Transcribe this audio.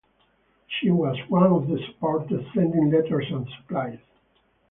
She was one of the supporters sending letters and supplies.